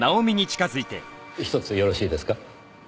ひとつよろしいですか？